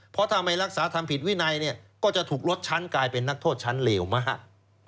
เพราะถ้าไม่รักษาทำผิดวินัยเนี่ยก็จะถูกลดชั้นกลายเป็นนักโทษชั้นเลวมาก